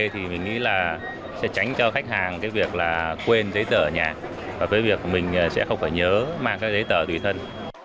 thì mình nghĩ là sẽ tránh cho khách hàng cái việc là quên giấy tờ nhà và cái việc mình sẽ không phải nhớ mang các giấy tờ tùy thân